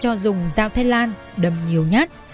cho dùng dao thay lan đâm nhiều nhát